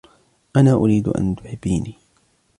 أنا أريد أن تُحبيني.